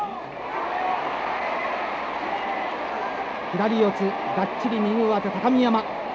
左四つ、がっちり右上手、高見山。